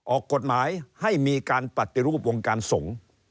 ออกกฎหมายให้มีการปฏิรูปวงการสงฆ์